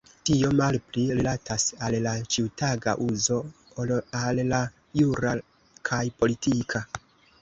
Tio malpli rilatas al la ĉiutaga uzo ol al la jura kaj politika.